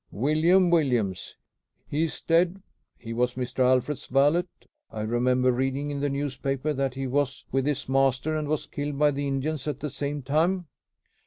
"William Williams." "He is dead. He was Mr. Alfred's valet. I remember reading in the newspaper that he was with his master, and was killed by the Indians at the same time."